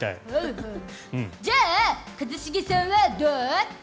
じゃあ、一茂さんはどう？